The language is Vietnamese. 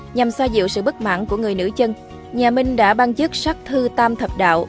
nhằm xoa dịu sự bất mãn của người nữ chân nhà minh đã ban chức sắc thư tam thập đạo